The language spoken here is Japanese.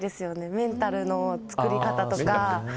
メンタルの作り方とか。